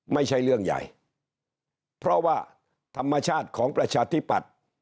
ไม่ใช่เรื่องใหญ่เพราะว่าธรรมชาติของประชาธิปัตย์